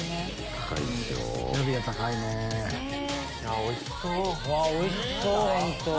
おいしそう！